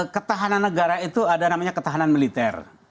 ketahanan negara itu ada namanya ketahanan militer